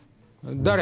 誰？